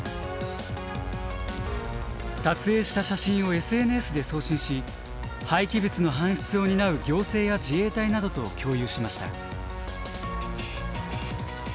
撮影した写真をＳＮＳで送信し廃棄物の搬出を担う行政や自衛隊などと共有しました。